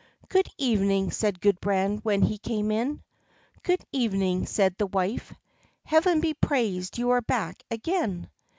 "Good evening!" said Gudbrand when he came in. "Good evening!" said the wife. "Heaven be praised you are back again."